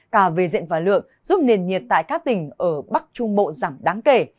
cả về diện và lượng giúp nền nhiệt tại các tỉnh ở bắc trung bộ giảm đáng kể